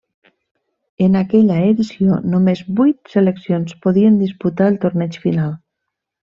En aquella edició, només vuit seleccions podien disputar el torneig final.